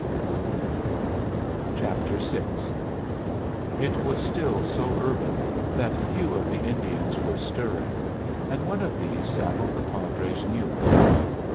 VI It was still so early that few of the Indians were stirring, and one of these saddled the Padre's mule.